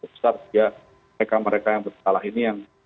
besar dia mereka mereka yang bersalah ini yang